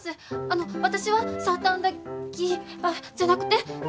あの私はサーターアンダギーあっじゃなくて。